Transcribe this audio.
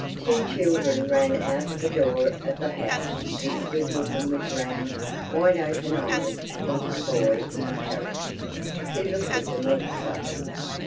Two children ran out of the door of the house and stood looking with round, wide open eyes at the little boy in the carriage, who looked at them also.